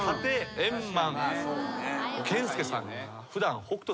健介さん。